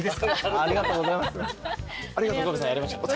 ありがとうございます。